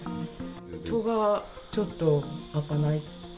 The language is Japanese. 戸がちょっと開かない。